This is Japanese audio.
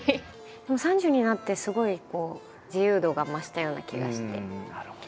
でも３０になってすごいこう自由度が増したような気がして。